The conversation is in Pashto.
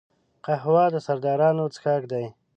قهوه د سردارانو څښاک دی